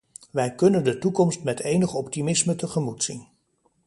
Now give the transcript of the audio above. Wij kunnen de toekomst met enig optimisme tegemoet zien.